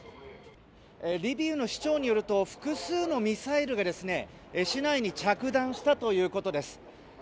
リビウの市長によると複数のミサイルが市内に着弾したということです。